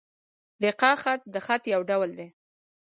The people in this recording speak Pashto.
رِقاع خط؛ د خط یو ډول دﺉ.